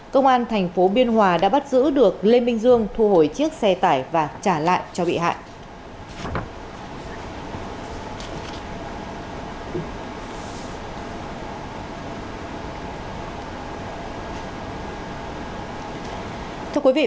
công an thành phố biên hòa đã bắt giữ được lê minh dương thu hồi chiếc xe tải và trả lại cho bị hại